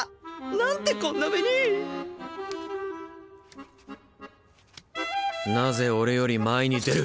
なんでこんな目になぜオレより前に出る。